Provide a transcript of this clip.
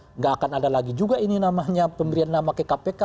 tidak akan ada lagi juga ini namanya pemberian nama ke kpk